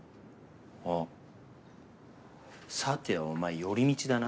あっさてはお前寄り道だな？